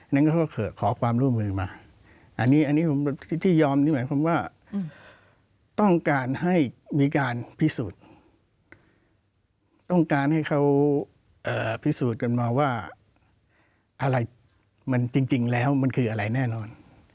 นั่นก็คือขอความร่วมมือมาอันนี้ผมที่ยอมนี่หมายความว่าต้องการให้มีการพิสูจน์ต้องการให้เขาพิสูจน์กันมาว่าอะไรมันจริงแล้วมันคืออะไรแน่นอน